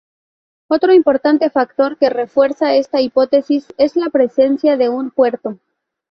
Otro importante factor que refuerza esta hipótesis es la presencia de un puerto.